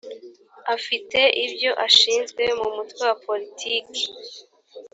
afite ibyo ashinzwe mu mutwe wa politiki